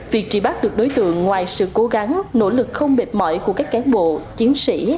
việc trị bắt được đối tượng ngoài sự cố gắng nỗ lực không mệt mỏi của các cán bộ chiến sĩ